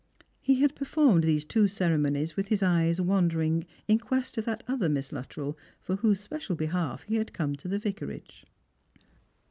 He haa performed th^se two ceremonies with his eyes wandering in quest of that oCner Miss Luttrell for whose special behalf he had come to the Vicarage.